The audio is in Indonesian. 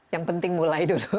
yang penting mulai dulu